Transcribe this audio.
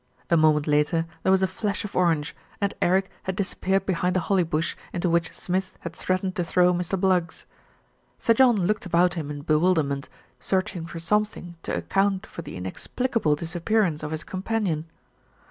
A moment later there was a flash of orange, and Eric had disappeared behind the holly bush into which Smith had threatened to throw Mr. Bluggs. Sir John looked about him in bewilderment, search ing for something to account for the inexplicable disap pearance of his companion.